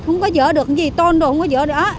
không có dỡ được gì tôn đồ không có dỡ được á